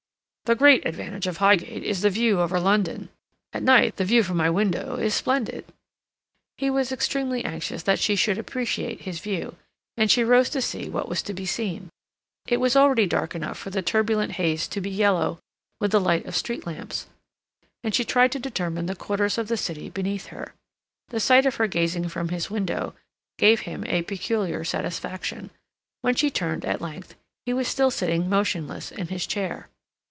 "The great advantage of Highgate is the view over London. At night the view from my window is splendid." He was extremely anxious that she should appreciate his view, and she rose to see what was to be seen. It was already dark enough for the turbulent haze to be yellow with the light of street lamps, and she tried to determine the quarters of the city beneath her. The sight of her gazing from his window gave him a peculiar satisfaction. When she turned, at length, he was still sitting motionless in his chair.